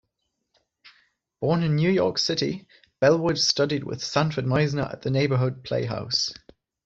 Born in New York City, Bellwood studied with Sanford Meisner at the Neighborhood Playhouse.